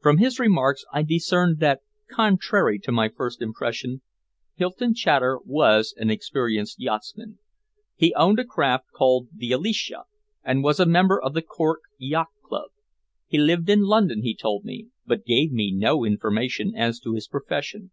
From his remarks I discerned that, contrary to my first impression, Hylton Chater was an experienced yachtsman. He owned a craft called the Alicia, and was a member of the Cork Yacht Club. He lived in London, he told me, but gave me no information as to his profession.